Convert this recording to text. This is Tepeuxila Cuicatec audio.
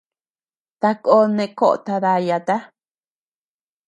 Takon neʼe koʼota dayata.